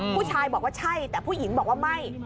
ผู้ชายบอกว่าใช่แต่ผู้หญิงบอกว่าไม่